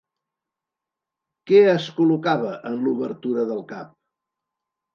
Què es col·locava en l'obertura del cap?